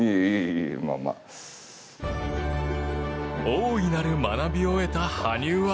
大いなる学びを得た羽生は。